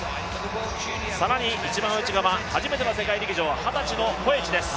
更に、一番内側、初めての世界陸上、二十歳のコエチです。